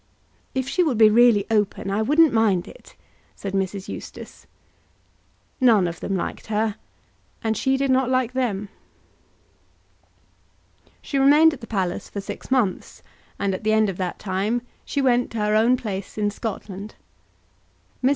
"If she would be really open, I wouldn't mind it," said Mrs. Eustace. None of them liked her, and she did not like them. She remained at the palace for six months, and at the end of that time she went to her own place in Scotland. Mrs.